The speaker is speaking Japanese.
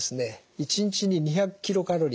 １日に２００ｋｃａｌ